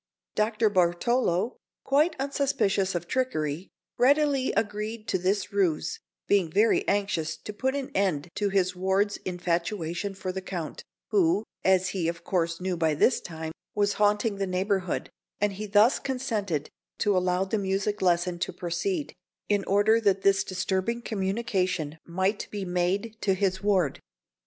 Dr. Bartolo, quite unsuspicious of trickery, readily agreed to this ruse, being very anxious to put an end to his ward's infatuation for the Count, who, as he of course knew by this time, was haunting the neighbourhood; and he thus consented to allow the music lesson to proceed, in order that this disturbing communication might be made to his ward.